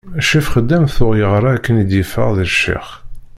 Ccrif Xeddam tuɣ yeɣra akken ad d-yeffeɣ d ccix.